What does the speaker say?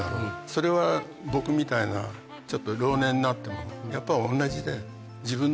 それは僕みたいなちょっと老年になってもやっぱ同じで。